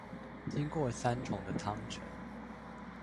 經過三重的湯城